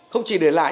không chỉ để lại